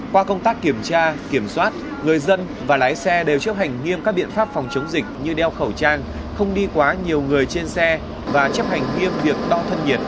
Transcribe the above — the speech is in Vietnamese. qua công tác kiểm tra kiểm soát người dân và lái xe đều chấp hành nghiêm các biện pháp phòng chống dịch như đeo khẩu trang không đi quá nhiều người trên xe và chấp hành nghiêm việc đo thân nhiệt